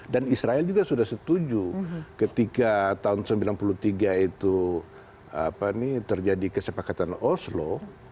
dan israel juga sudah setuju ketika tahun seribu sembilan ratus sembilan puluh tiga itu terjadi kesepakatan oslo